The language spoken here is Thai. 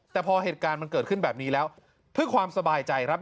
แต่พอเหตุการณ์มันเกิดขึ้นแบบนี้แล้วเพื่อความสบายใจครับ